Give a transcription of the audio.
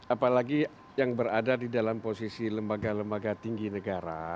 apalagi yang berada di dalam posisi lembaga lembaga tinggi negara